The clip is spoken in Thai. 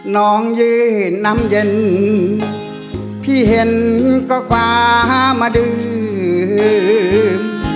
น้องยืนเห็นน้ำเย็นพี่เห็นก็คว้ามาดื่ม